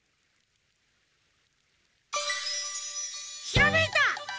ひらめいた！